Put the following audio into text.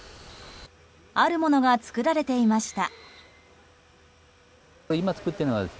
あるものが作られていました。